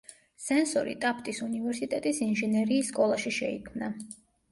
სენსორი ტაფტის უნივერსიტეტის ინჟინერიის სკოლაში შეიქმნა.